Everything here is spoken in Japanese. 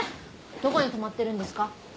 どこに泊まってるんですか？